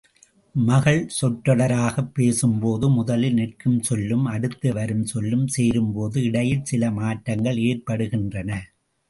மக்கள் சொற்றொடராகப் பேசும்போது, முதலில் நிற்கும் சொல்லும், அடுத்து வரும் சொல்லும் சேரும்போது இடையில் சில மாற்றங்கள் ஏற்படுகின்றன.